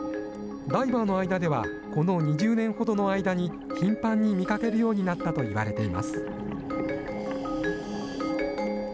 ダイバーの間では、この２０年ほどの間に頻繁に見かけるようになったといわれています。